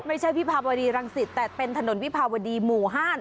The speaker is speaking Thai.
ไม่ใช่วิภาวดีรังศิษฐ์แต่เป็นถนนวิภาวดีหมู่ห้าน